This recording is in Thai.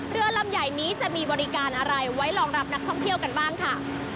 เรือลำใหญ่นี้จะมีบริการอะไรไว้รองรับนักท่องเที่ยวกันบ้างค่ะ